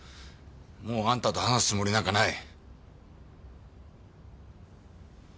もうあんたと話すつもりなんかない。